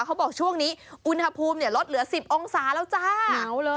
เขาบอกช่วงนี้อุณหภูมิลดเหลือ๑๐องศาแล้วจ้าเลย